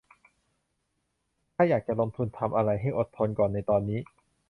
ถ้าอยากจะลงทุนทำอะไรให้อดทนก่อนในตอนนี้